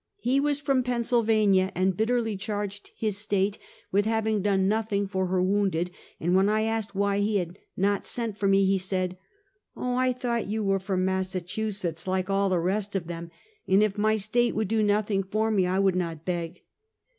He was from Pennsylvania, and bitterly charged his State with having done nothing for her wounded, and when I asked why he had not sent for me, he said: " Oh, I thought you were from Massachusetts, like all the rest of them; and if my own State would do nothing for me, I would not beg.